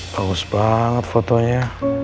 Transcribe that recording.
bagus banget fotonya